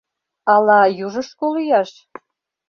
Ала южышко лӱяш?